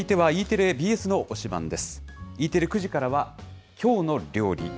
Ｅテレ９時からは、きょうの料理。